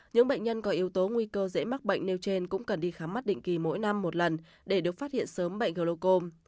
những bệnh nhân có yếu tố nguy cơ dễ mắc bệnh nêu trên cũng cần đi khám mắt định kỳ mỗi năm một lần để được phát hiện sớm bệnh glocom